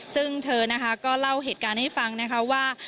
ซึ่งเธอนะคะก็เล่าเหตุการณ์ให้ฟังนะคะว่า